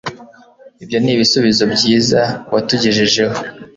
Ibyo nibisubizo byiza watugejejeho